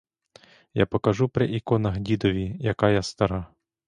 Я покажу при іконах дідові, яка я стара!